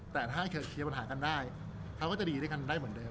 แต่ถ้าเคลียร์ปัญหากันได้เขาก็จะดีด้วยกันได้เหมือนเดิม